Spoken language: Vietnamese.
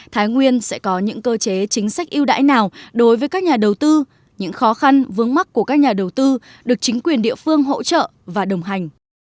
thái nguyên sẽ có những cơ chế chính sách yêu đãi nào đối với các nhà đầu tư những khó khăn vướng mắt của các nhà đầu tư được chính quyền địa phương hỗ trợ và đồng hành